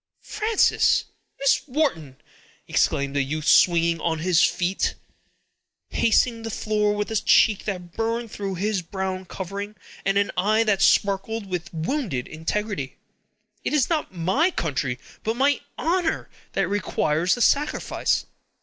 "Frances! Miss Wharton!" exclaimed the youth, springing on his feet, and pacing the floor with a cheek that burned through its brown covering, and an eye that sparkled with wounded integrity. "It is not my country, but my honor, that requires the sacrifice.